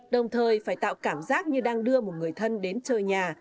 đồng thời phải tạo cảm giác như đang đưa một người thân đến chơi nhà